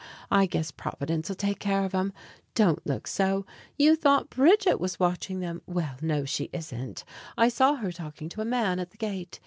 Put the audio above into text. I guess Providence'll take care of 'em. Don't look so. You thought Bridget was watching them? Well, no, she isn't. I saw her talking to a man at the gate.